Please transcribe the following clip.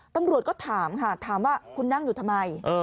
ตำรวจก็ถามค่ะถามว่าคุณนั่งอยู่ทำไม